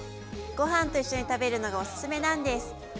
ご飯と一緒に食べるのがおすすめなんです！